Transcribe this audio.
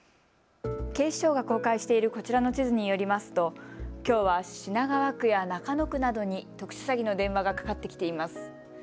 警視庁が公開しているこちらの地図によりますときょうは品川区や中野区などに特殊詐欺の電話がかかってきています。